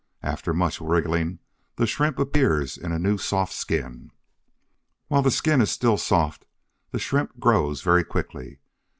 After much wriggling, the Shrimp appears in a new soft skin. While the skin is still soft the Shrimp grows very quickly.